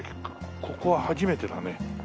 ここは初めてだね。